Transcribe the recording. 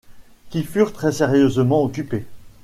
qui furent très-sérieusement occupées.